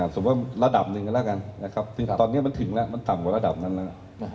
สมมุติว่าระดับหนึ่งแล้วกันนะครับคือตอนเนี้ยมันถึงแล้วมันต่ำกว่าระดับนั้นแล้วนะครับ